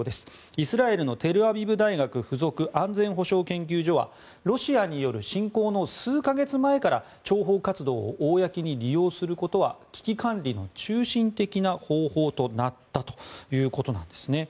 イスラエルのテルアビブ大学付属安全保障研究所はロシアによる侵攻の数か月前から諜報活動を公に利用することは危機管理の中心的な方法となったということなんですね。